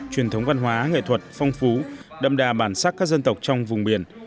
truyền thống văn hóa nghệ thuật phong phú đậm đà bản sắc các dân tộc trong vùng biển